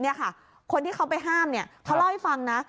นี่ค่ะคนที่เขาไปห้ามเนี่ยเขาเล่าให้ฟังนะ